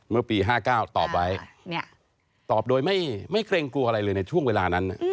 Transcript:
เมื่อปี๕๙ตอบไว้ตอบโดยไม่เกรงกลัวอะไรเลยในช่วงเวลานั้น